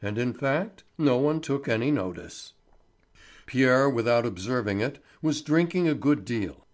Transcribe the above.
And in fact no one took any notice. Pierre, without observing it, was drinking a good deal.